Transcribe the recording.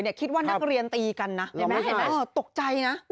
มันคลิปนักเรียนตีกันน่ะ